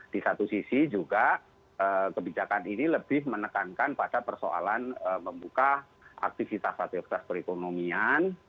di satu sisi juga kebijakan ini lebih menekankan pada persoalan membuka aktivitas aktivitas perekonomian